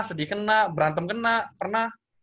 sedih kena berantem kena pernah